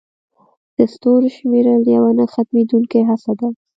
د ستورو شمیرل یوه نه ختمېدونکې هڅه ده.